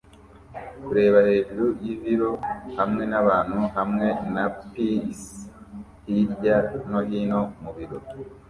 Kureba hejuru yibiro hamwe nabantu hamwe na PC hirya no hino mubiro